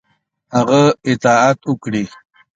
هغه اطاعت وکړي.